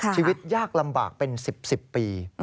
ชีวิตยากลำบากเป็น๑๐๑๐ปี